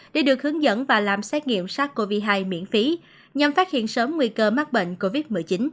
để được hướng dẫn và làm xét nghiệm sars cov hai miễn phí nhằm phát hiện sớm nguy cơ mắc bệnh covid một mươi chín